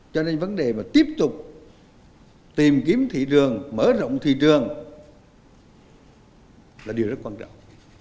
cho nên vấn đề mà tiếp tục tìm kiếm thị trường mở rộng thị trường là điều rất quan trọng